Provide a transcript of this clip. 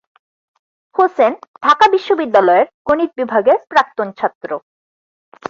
হোসেন ঢাকা বিশ্ববিদ্যালয়ের গণিত বিভাগের প্রাক্তন ছাত্র।